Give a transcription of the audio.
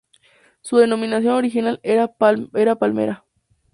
Su denominación original era Palmera.